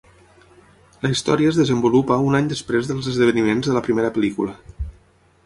La història es desenvolupa un any després dels esdeveniments de la primera pel·lícula.